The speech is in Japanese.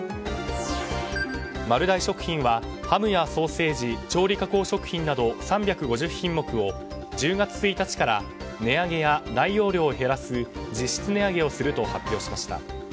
丸大食品はハムやソーセージ調理加工食品など３５０品目を１０月１日から値上げや内容量を減らす実質値上げをすると発表しました。